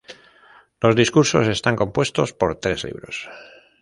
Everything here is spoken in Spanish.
Los "Discursos" están compuestos por tres libros.